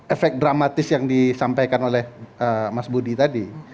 efek dramatis yang disampaikan oleh mas budi tadi